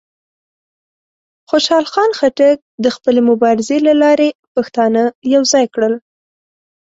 خوشحال خان خټک د خپلې مبارزې له لارې پښتانه یوځای کړل.